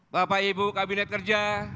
bapak ibu kabinet kerja